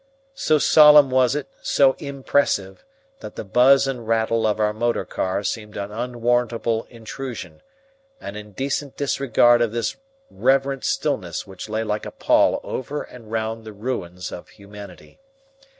So solemn was it, so impressive, that the buzz and rattle of our motor car seemed an unwarrantable intrusion, an indecent disregard of this reverent stillness which lay like a pall over and round the ruins of humanity.